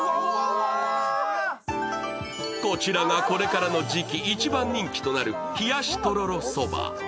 こちらがこれからの時期一番人気となる冷やしとろろそば。